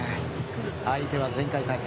相手は前回大会